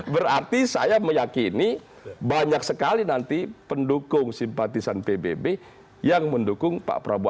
berarti saya meyakini banyak sekali nanti pendukung simpatisan pbb yang mendukung pak prabowo